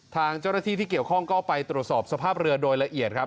ทางเจ้าหน้าที่ที่เกี่ยวข้องก็ไปตรวจสอบสภาพเรือโดยละเอียดครับ